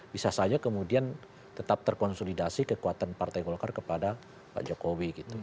bisa saja kemudian tetap terkonsolidasi kekuatan partai golkar kepada pak jokowi gitu